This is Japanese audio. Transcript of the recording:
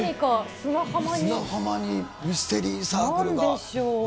砂浜にミステリーサークルがなんでしょう。